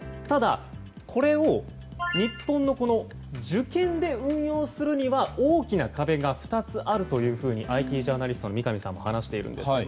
ただ、これを日本の受験で運用するには大きな壁が２つあるというふうにＩＴジャーナリストの三上さんは話しているんです。